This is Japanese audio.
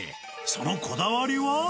そのこだわりは。